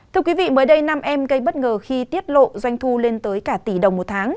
thưa quý vị mới đây năm em gây bất ngờ khi tiết lộ doanh thu lên tới cả tỷ đồng một tháng